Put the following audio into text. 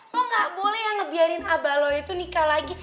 gua gak boleh yang ngebiarin abah lo itu nikah lagi